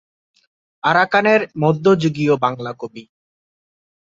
আরাকানের মধ্যযুগীয় বাংলা কবি।